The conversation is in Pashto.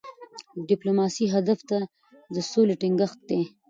د ډيپلوماسی هدف د سولې ټینګښت دی.